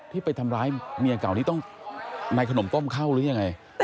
ที่ไปทำร้ายเมียเก่าที่ต้องในขนมต้มเข้าหรือยังไง